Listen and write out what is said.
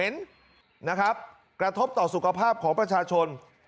นะครับกระทบต่อสุขภาพของประชาชน